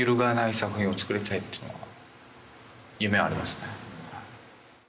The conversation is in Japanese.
っていうのは夢ありますね。